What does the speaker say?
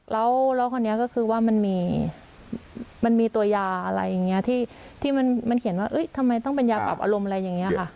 แล้วคนนี้ก็คือว่ามันมีตัวยาอะไรอย่างนี้ที่มันเขียนว่าทำไมต้องเป็นยาปรับอารมณ์อะไรอย่างนี้ค่ะ